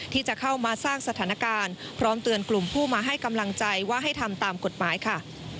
ที่จะเข้ามาสร้างสถานการณ์พร้อมเตือนกลุ่มผู้มาให้กำลังใจว่าให้ทำตามกฎหมายค่ะ